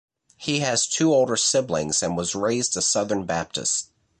He has two older siblings and was raised a Southern Baptist.